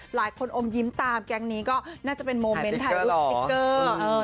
อมยิ้มตามแก๊งนี้ก็น่าจะเป็นโมเมนต์ถ่ายรูปสติ๊กเกอร์